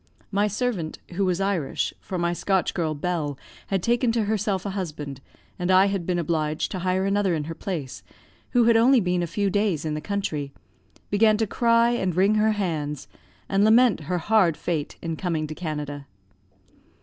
My servant, who was Irish (for my Scotch girl, Bell, had taken to herself a husband and I had been obliged to hire another in her place, who had only been a few days in the country), began to cry and wring her hands, and lament her hard fate in coming to Canada.